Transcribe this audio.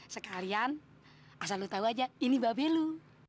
sekalian asal lo tau aja ini babelu